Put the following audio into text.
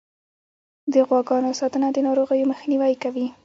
د غواګانو ساتنه د ناروغیو مخنیوی کوي.